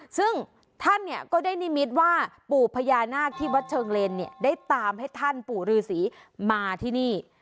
ซึ่งท่านก็ได้นิมิตว่าปู่พญานาคที่วัดเชิงเลนได้ตามให้ท่านปู่รือศรีมาที่นี่